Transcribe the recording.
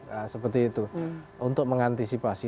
nah seperti itu untuk mengantisipasi